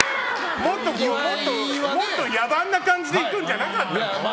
もっと野蛮な感じでいくんじゃなかったの？